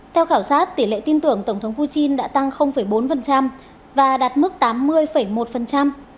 theo khảo sát tỷ lệ tin tưởng tổng thống putin đã tăng bốn và đạt mức tám mươi một